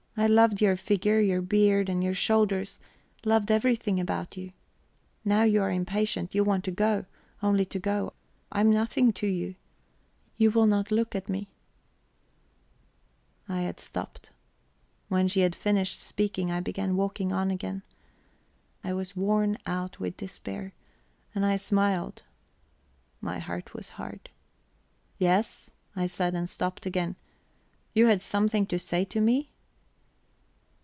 I loved your figure, your beard, and your shoulders, loved everything about you... Now you are impatient; you want to go, only to go; I am nothing to you, you will not look at me ..." I had stopped. When she had finished speaking I began walking on again. I was worn out with despair, and I smiled; my heart was hard. "Yes?" I said, and stopped again. "You had something to say to me?"